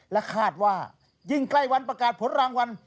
และคาดว่ายิ่งใกล้วันประกาศผลรางวัล